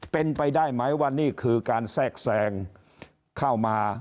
เป็นไปได้ไหมว่านี่คือการแทรกแทรงเข้ามา